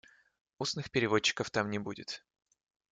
Устных переводчиков там не будет.